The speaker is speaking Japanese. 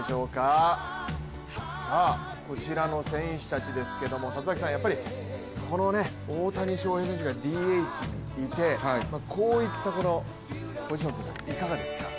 こちらの選手たちですけどもやっぱりこの大谷翔平選手がＤＨにいてこういったポジションというのはいかがですか？